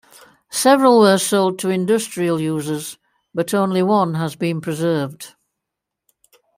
Several were sold to industrial users, but only one has been preserved.